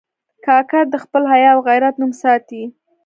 کاکړ د خپل حیا او غیرت نوم ساتي.